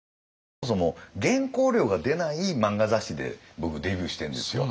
そもそも原稿料が出ない漫画雑誌で僕デビューしてんですよ。